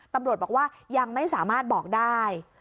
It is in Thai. ตำรวจบอกว่ายังไม่สามารถบอกได้